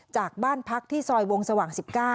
จากบ้านพักที่ซอยวงสว่าง๑๙